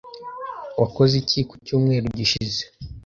Wakoze iki ku cyumweru gishize?